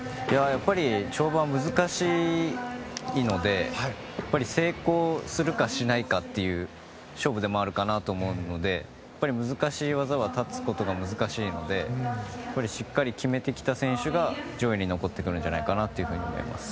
やっぱり跳馬は難しいので成功するか、しないかという勝負でもあるかと思うので難しい技は立つことが難しいのでしっかり決めてきた選手が上位に残ってくるんじゃないかなと思います。